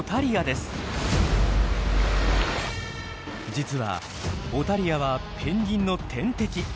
実はオタリアはペンギンの天敵。